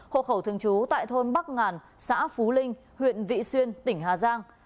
hộ khẩu thường trú tại thôn bắc ngàn xã phú linh huyện vị xuyên tỉnh hà giang